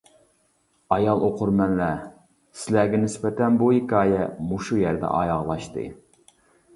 ئايال ئوقۇرمەنلەر سىلەرگە نىسبەتەن بۇ ھېكايە مۇشۇ يەردە ئاياغلاشتى.